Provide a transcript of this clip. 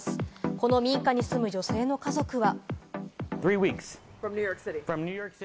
この民家に住む女性の家族は。